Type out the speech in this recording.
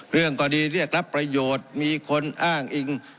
เรื่องกรณีเรียกรับประโยชน์มีคนอ้างอิง